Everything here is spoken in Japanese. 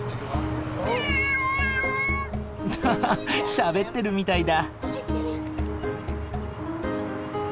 ハハハッしゃべってるみたいだ。